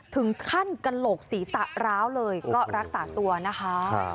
ถึงขั้นกระโหลกศีรษะร้าวเลยก็รักษาตัวนะคะ